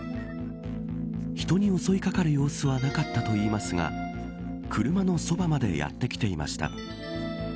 人に襲い掛かる様子はなかったといいますが車のそばまでやって来ていました。